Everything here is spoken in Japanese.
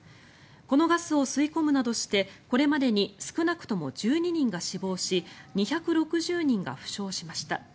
このガスを吸い込むなどしてこれまでに少なくとも１２人が死亡し２６０人が負傷しました。